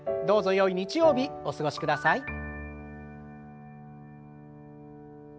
どうぞよい日曜日お過ごしください。